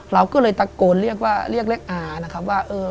เราก็เลยตะโกนเรียกว่าเรียกอานะครับว่า